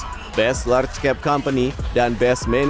kategori terakhir adalah best banking best banking dan best investor relations